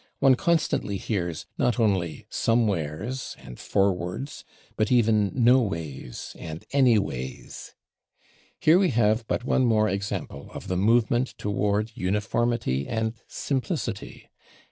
One constantly hears, not only /somewheres/ and /forwards/, but even /noways/ and /anyways/. Here we have but one more example of the movement toward uniformity and simplicity.